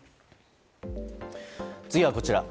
次はこちら。